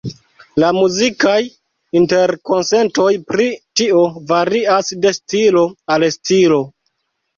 La muzikaj interkonsentoj pri tio varias de stilo al stilo.